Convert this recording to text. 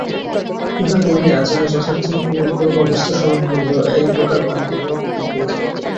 ইহা কহিয়া যেন যথার্থই পূর্বাবস্থা স্মরণ হইল এইপ্রকার ভান করিয়া রোদন করিতে লাগিল।